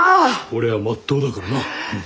俺はまっとうだからなうん。